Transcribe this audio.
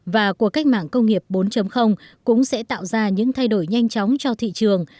và cuộc cách mạng công nghiệp bốn cũng sẽ tạo ra những thay đổi nhanh chóng cho thị trường